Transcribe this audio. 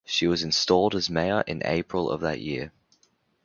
She was installed as mayor in April of that year.